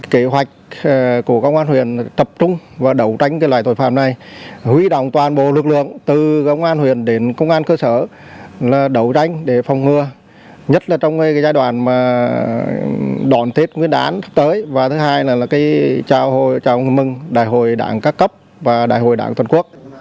kế hoạch của công an huyện là tập trung và đấu tranh loại tội phạm này huy động toàn bộ lực lượng từ công an huyện đến công an cơ sở là đấu tranh để phòng ngừa nhất là trong giai đoạn đón tết nguyên đán tiếp tới và thứ hai là chào mừng đại hội đảng các cấp và đại hội đảng thuận quốc